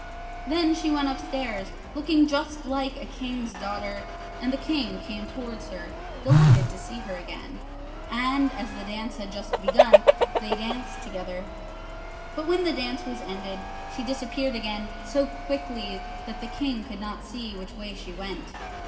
Then she went upstairs looking just like a King's daughter, and the King came towards her, delighted to see her again, and as the dance had just begun, they danced together. But when the dance was ended, she disappeared again so quickly that the King could not see which way she went.